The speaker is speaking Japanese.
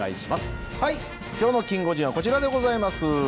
きょうのキンゴジンはこちらでございます。